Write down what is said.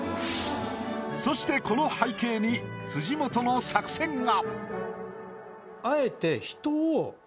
そしてこの背景に辻元の作戦が。